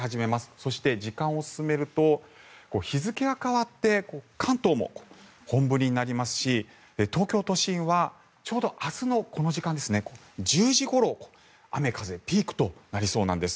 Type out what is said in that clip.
そして、時間を進めると日付が変わって関東も本降りになりますし東京都心はちょうど明日のこの時間ですね１０時ごろ雨、風ピークとなりそうです。